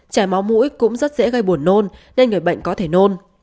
chảy máu mũi cũng rất dễ gây buồn nôn nên người bệnh có thể nôn